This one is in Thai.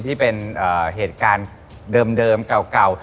ที่เป็นเหตุการณ์เดิมเก่า